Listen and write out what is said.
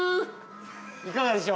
◆いかがでしょう？